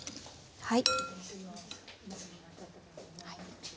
はい。